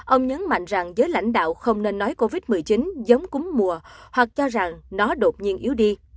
ông nhấn mạnh rằng giới lãnh đạo không nên nói covid một mươi chín giống cúm mùa hoặc cho rằng nó đột nhiên yếu đi